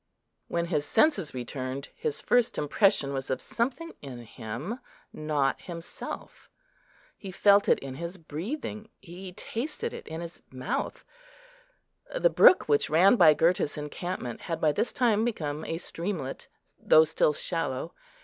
When his senses returned, his first impression was of something in him not himself. He felt it in his breathing; he tasted it in his mouth. The brook which ran by Gurta's encampment had by this time become a streamlet, though still shallow.